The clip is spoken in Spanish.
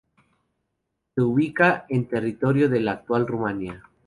Se ubicaba en territorio de la actual Rumania.